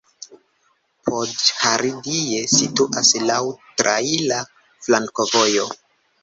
Podhradie situas laŭ traira flankovojo.